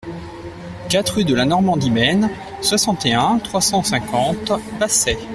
quatre rue de la Normandie Maine, soixante et un, trois cent cinquante, Passais